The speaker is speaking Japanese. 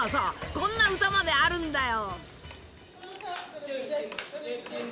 こんな歌まであるんだよ。